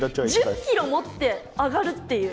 １０ｋｇ持って上がるっていう。